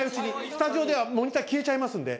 スタジオではモニター消えちゃいますんで。